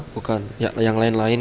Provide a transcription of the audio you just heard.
bukan yang lain lain